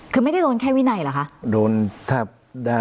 คือไม่ได้โดนแค่วินัยเหรอคะ